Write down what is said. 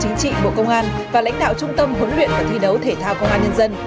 đại diện lãnh đạo chính trị bộ công an và lãnh đạo trung tâm huấn luyện và thi đấu thể thao công an nhân dân